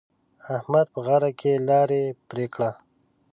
احمد په غره کې لاره پرې کړه.